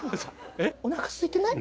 おなかすいてない？